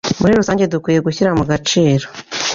Muri rusange dukwiye gushyira mugaciro